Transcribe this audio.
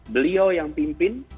beliau yang pimpin